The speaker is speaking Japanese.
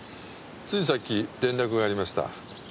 ついさっき連絡がありました。